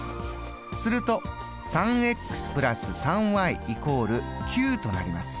すると３＋３＝９となります。